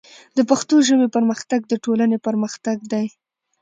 د پښتو ژبې پرمختګ د ټولنې پرمختګ دی.